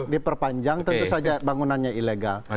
diperpanjang tentu saja bangunannya ilegal